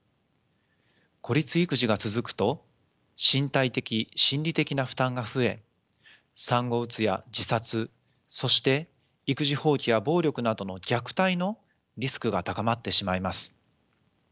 孤立育児が続くと身体的・心理的な負担が増え産後うつや自殺そして育児放棄や暴力などの虐待のリスクが高まってしまいます。